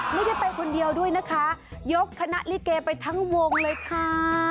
ไม่ได้ไปคนเดียวด้วยนะคะยกคณะลิเกไปทั้งวงเลยค่ะ